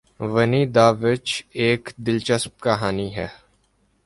ونی داوچ ایک دلچسپ کہانی ہے۔